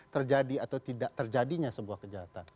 terjadi atau tidak terjadinya sebuah kejahatan